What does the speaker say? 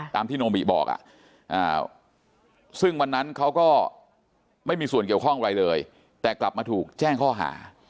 ตามที่โนบิบอกซึ่งวันนั้นเขาก็ไม่มีส่วนเกี่ยวข้องอะไรเลยแต่กลับมาถูกแจ้งข้อหา